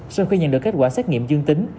sau khi nhận được kết quả xét nghiệm dương tính